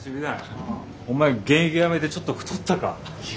お前現役やめてちょっと太ったか？